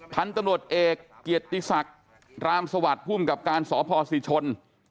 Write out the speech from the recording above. ท่านตำรวจเอกเกียรติศักดิ์รามสวัสดิ์ผู้อุ่มกับการสอบภอสิชน